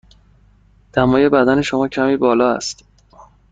دمای بدن شما کمی بالا است.